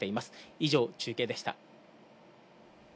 以上、中継でした。